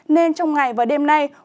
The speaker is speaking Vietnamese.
nên trong ngày và đêm nay